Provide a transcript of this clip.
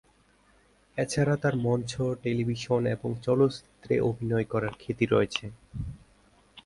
এছাড়া তার মঞ্চ, টেলিভিশন এবং চলচ্চিত্রে অভিনয়ের খ্যাতি রয়েছে।